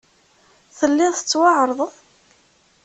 Telliḍ tettwaɛerḍeḍ?